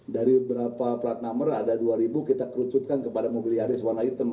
dari berapa plat nomor ada dua ribu kita kerucutkan kepada mobil yaris warna hitam